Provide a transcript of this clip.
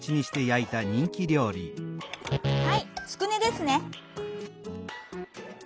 「はいつくねですね」。